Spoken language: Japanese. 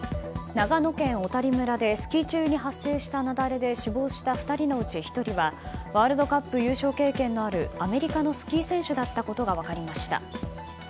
長野県小谷村でスキー中に発生した雪崩で死亡した２人のうち１人はワールドカップ優勝経験のあるアメリカのスキー選手だったことが分かりました。